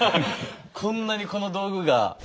こんなにこの道具が。